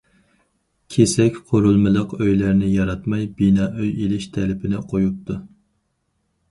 كېسەك قۇرۇلمىلىق ئۆيلەرنى ياراتماي، بىنا ئۆي ئېلىش تەلىپىنى قويۇپتۇ.